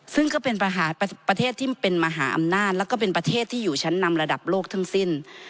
ซึ่งก็เป็นประเทศที่เป็นมหาอำนาจแล้วก็เป็นประเทศที่อยู่ชั้นนำระดับโลกทั้งสิ้น